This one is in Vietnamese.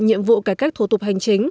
nhiệm vụ cải cách thủ tục hành chính